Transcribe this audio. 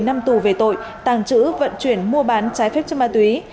tổng cộng bảy năm tù về tội tàng trữ vận chuyển mua bán trái phép chứa ma túy